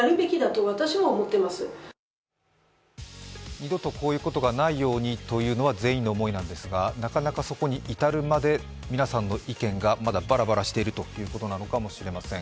二度とこういうことがないようにというのは全員の思いなんですがなかなかそこに至るまで、皆さんの意見がまだバラバラしてるということなのかもしれません。